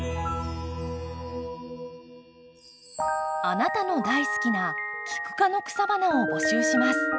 あなたの大好きなキク科の草花を募集します。